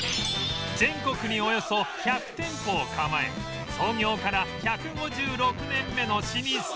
全国におよそ１００店舗を構え創業から１５６年目の老舗